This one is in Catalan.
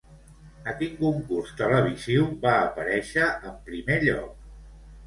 A quin concurs televisiu va aparèixer en primer lloc?